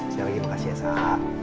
saya lagi makasih ya sahab